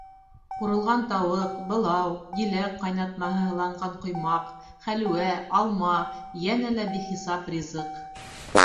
Ҡурылған тауыҡ, былау, еләк ҡайнатмаһы һыланған ҡоймаҡ, хәлүә, алма, йәнә лә бихисап ризыҡ.